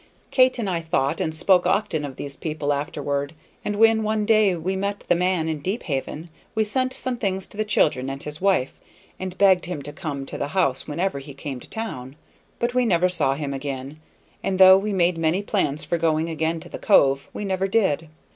Kate and I thought and spoke often of these people afterward, and when one day we met the man in Deephaven we sent some things to the children and his wife, and begged him to come to the house whenever he came to town; but we never saw him again, and though we made many plans for going again to the cove, we never did.